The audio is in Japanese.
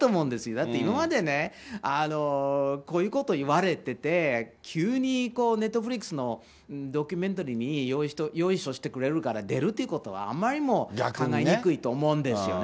だって今までね、こういうこと言われてて、急にネットフリックスのドキュメンタリーに、よいしょしてくれるから出るっていうことは、あまりにも考えにくいと思うんですよね。